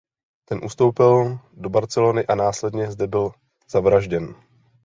Ten ustoupil do Barcelony a následně zde byl zavražděn.